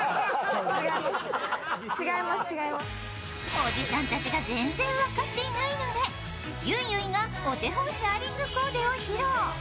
おじさんたちが全然分かっていないのでゆいゆいがお手本シャーリングコーデを披露。